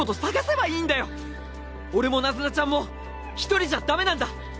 俺もナズナちゃんも一人じゃ駄目なんだ。